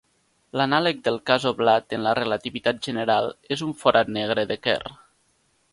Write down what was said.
L'anàleg del cas oblat en la relativitat general és un forat negre de Kerr.